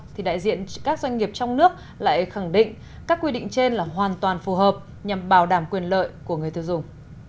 thì đại diện các doanh nghiệp trong nước lại khẳng định các quy định trên là hoàn toàn phù hợp nhằm bảo đảm quyền lợi của người tiêu dùng